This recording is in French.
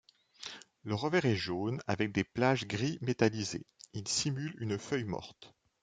Le revers est jaune avec des plages gris métallisé, il simule une feuille morte.